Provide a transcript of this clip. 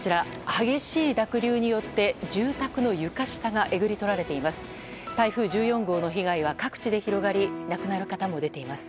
激しい濁流によって住宅の床下がえぐり取られています。